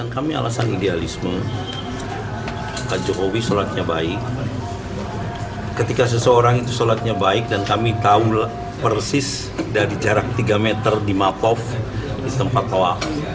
ketika jokowi solatnya baik ketika seseorang itu solatnya baik dan kami tahu persis dari jarak tiga meter di matov di tempat toa